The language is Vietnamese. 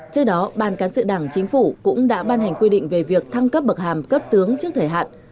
trước đó ban cán sự đảng chính phủ cũng đã ban hành quy định về việc thăng cấp bậc hàm cấp tướng trước thời hạn